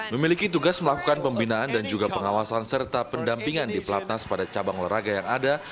memiliki tugas melakukan pembinaan dan juga pengawasan serta pendampingan di pelatnas pada cabang olahraga yang ada